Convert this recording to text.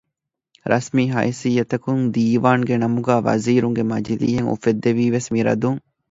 ރަސްމީ ހައިސިއްޔަތަކުން ދީވާންގެ ނަމުގައި ވަޒީރުންގެ މަޖިލީހެއް އުފެއްދެވީވެސް މި ރަދުން